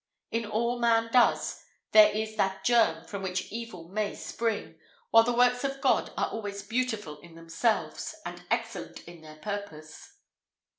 In all man does there is that germ from which evil may ever spring, while the works of God are always beautiful in themselves, and excellent in their purpose."